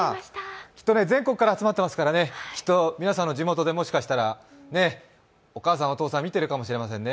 きっとね全国から集まってますからね、きっと皆さんの地元でもしかしたらお母さん、お父さん、見てるかもしれませんね。